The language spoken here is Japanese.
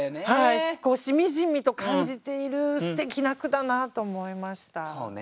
しみじみと感じているステキな句だなと思いました。